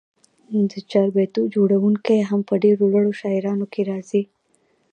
د چاربیتو جوړوونکي هم په ډېرو لوړو شاعرانو کښي راځي.